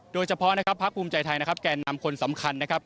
โดยเฉพาะนะครับพักภูมิใจไทยนะครับแก่นำคนสำคัญนะครับ